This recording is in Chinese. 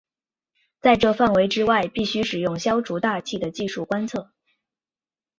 在这范围之外必须使用消除大气的技术观测。